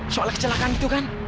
soalnya kecelakaan itu kan